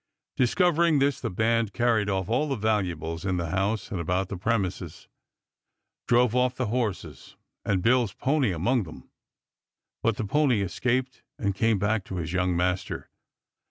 Discovering this, the band carried off all the valuables in the house and about the premises, drove off the horses, and Bill's pony among them; but the pony escaped and came back to his young master.